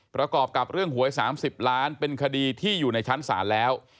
ประกอบกับเรื่องหวย๓๐ล้านเป็นคดีที่อยู่ในชั้นศาลแล้ว